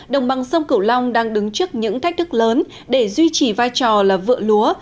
đồng bằng sông cửu long đang đứng trước những thách thức lớn để duy trì vai trò là vựa lúa